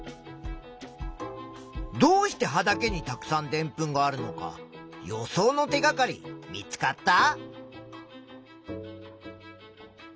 どうして葉だけにたくさんでんぷんがあるのか予想の手がかり見つかった？